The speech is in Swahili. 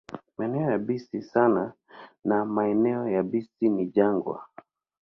Maeneo yabisi sana na maeneo yabisi ni jangwa.